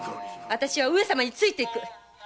私は上様について行く。